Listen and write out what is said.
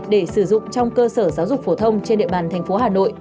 để sử dụng trong cơ sở giáo dục phổ thông trên địa bàn tp hà nội